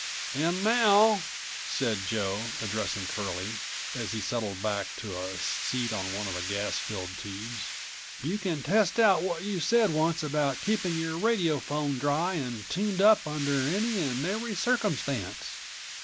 "And now," said Joe addressing Curlie as he settled back to a seat on one of the gas filled tubes, "you can test out what you said once about keeping your radiophone dry and tuned up under any and every circumstance.